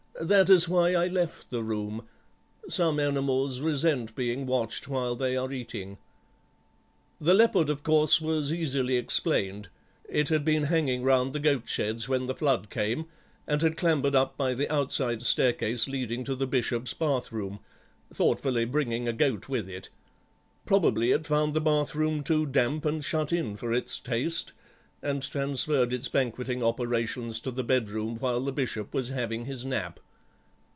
That is why I left the room; some animals resent being watched while they are eating.' "The leopard, of course, was easily explained; it had been hanging round the goat sheds when the flood came, and had clambered up by the outside staircase leading to the Bishop's bath room, thoughtfully bringing a goat with it. Probably it found the bath room too damp and shut in for its taste, and transferred its banqueting operations to the bedroom while the Bishop was having his nap."